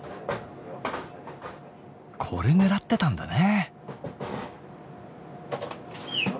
これ狙ってたんだね。